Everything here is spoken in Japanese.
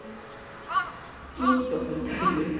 きーんとする感じですか。